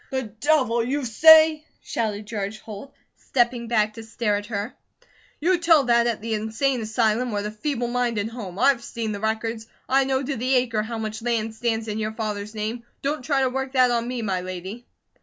"The Devil, you say!" shouted George Holt, stepping back to stare at her. "You tell that at the Insane Asylum or the Feeble Minded Home! I've seen the records! I know to the acre how much land stands in your father's name. Don't try to work that on me, my lady."